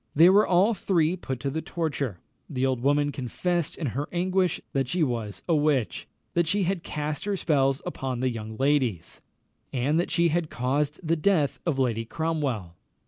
They were all three put to the torture. The old woman confessed in her anguish that she was a witch; that she had cast her spells upon the young ladies; and that she had caused the death of Lady Cromwell.